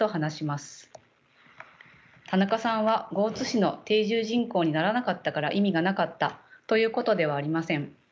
田中さんは江津市の定住人口にならなかったから意味がなかったということではありません。